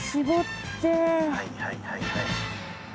はいはいはいはい。